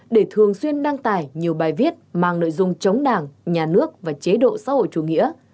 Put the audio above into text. để thường xuyên đăng tải nhiều bài viết mang nội dung chống đảng nhà nước và chế độ xã hội chủ nghĩa